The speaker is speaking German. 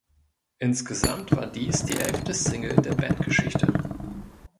Insgesamt war dies die elfte Single der Bandgeschichte.